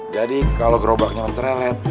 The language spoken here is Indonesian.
jadi kalau gerobaknya ontrelet